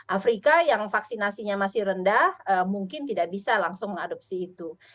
afrika yang vaksinasinya masih rendah mungkin tidak bisa langsung mengadopsi itu